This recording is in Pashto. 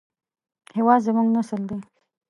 هېواد زموږ نسل دی